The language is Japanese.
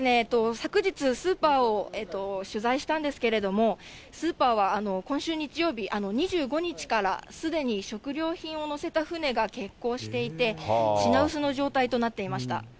昨日、スーパーを取材したんですけれども、スーパーは今週日曜日、２５日から、すでに食料品を載せた船が欠航していて、品薄の状態となっていました。